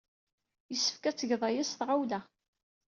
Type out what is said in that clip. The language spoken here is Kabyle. Yessefk ad tged aya s tɣawla.